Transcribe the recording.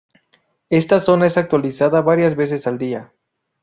Esta zona es actualizada varias veces al día.